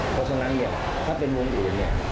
เพราะฉะนั้นเนี่ยถ้าเป็นมุมอื่นเนี่ย